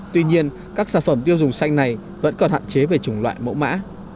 tuy nhiên các sản phẩm tiêu dùng xanh này vẫn còn hạn chế về chủng loại mẫu mã